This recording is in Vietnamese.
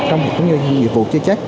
trong nhiều nhiệm vụ chê chách